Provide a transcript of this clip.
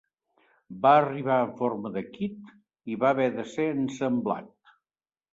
Va arribar en forma de kit, i va haver de ser ensamblat.